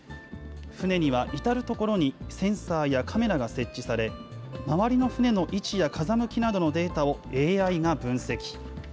船には至る所にセンサーやカメラが設置され、周りの船の位置や風向きなどのデータをＡＩが分析。